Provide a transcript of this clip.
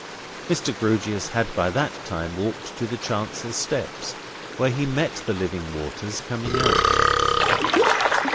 Mr. Grewgious had by that time walked to the chancel steps, where he met the living waters coming out.